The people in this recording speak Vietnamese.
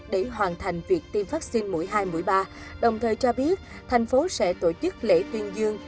để hoàn thành việc tiêm vaccine mũi hai mũi ba đồng thời cho biết thành phố sẽ tổ chức lễ tuyên dương